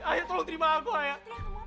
ayah tolong terima aku ayah